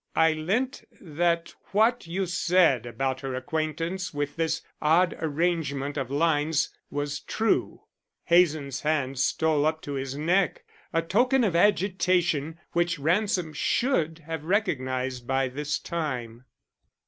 I lent that what you said about her acquaintance with this odd arrangement of lines was true." Hazen's hand stole up to his neck, a token of agitation which Ransom should have recognized by this time.